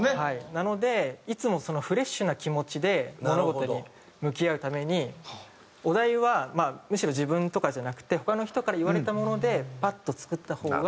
なのでいつもフレッシュな気持ちで物事に向き合うためにお題はむしろ自分とかじゃなくて他の人から言われたものでパッと作った方が。